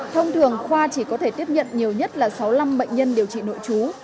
thông thường khoa chỉ có thể tiếp nhận nhiều nhất là sáu mươi năm bệnh nhân điều trị nội trú